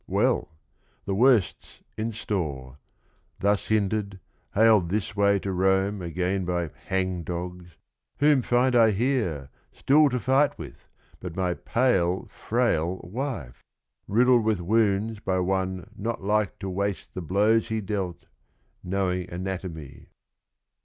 "Well, The worst 's in store : thus hindered, haled this way To Rome again by hangdogs, whom find I Here, still to fight with, but my pale frail wife? — Riddled with wounds by one not like to waste The blows he dealt, — knowing anatomy."